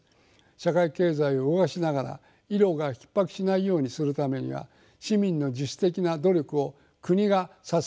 社会経済を動かしながら医療がひっ迫しないようにするためには市民の自主的な努力を国が支えることが重要だと思います。